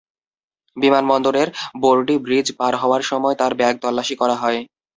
বিমানবন্দরের boarding bridge পার হওয়ার সময় তাঁর ব্যাগ তল্লাশি করা হয়।